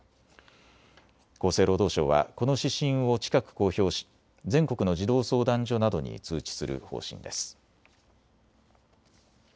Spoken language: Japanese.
厚生労働省はこの指針を近く公表し全国の児童相談所などに通知する方針です。